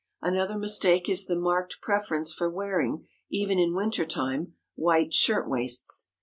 Another mistake is the marked preference for wearing, even in winter time, white shirt waists.